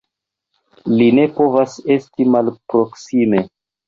Li ne povas esti malproksime!